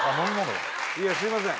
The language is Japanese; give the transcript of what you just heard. いやすいません。